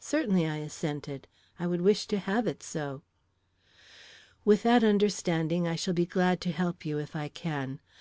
"Certainly," I assented. "I would wish to have it so." "With that understanding, I shall be glad to help you, if I can.